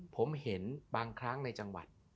ผมเห็นบางครั้งในจังหวัด